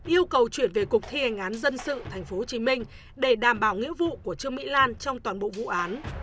yêu cầu chuyển về cục thi hành án dân sự tp hcm để đảm bảo nghĩa vụ của trương mỹ lan trong toàn bộ vụ án